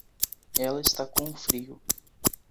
Ela está com frio.